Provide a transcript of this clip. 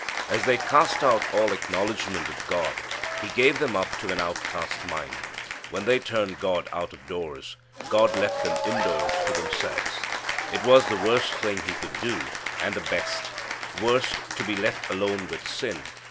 _" As they cast out all acknowledgment of God, He gave them up to an outcast mind. When they turned God out of doors, God left them indoors to themselves. It was the worst thing He could do, and the best. Worst to be left alone with sin.